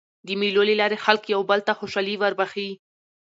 د مېلو له لاري خلک یو بل ته خوشحالي وربخښي.